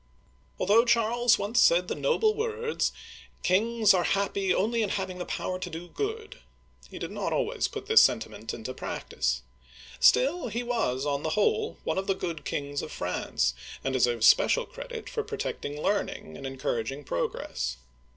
Although Charles once said the noble words, " Kings are happy only in having the power to do good," he did not always put this sentiment into practice ; still, he was, on the whole, one of the good kings of France, and de serves special credit for protecting learning and encourag ing progress.